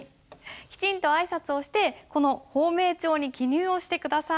きちんと挨拶をしてこの芳名帳に記入をして下さい。